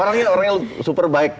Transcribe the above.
orangnya orang yang super baik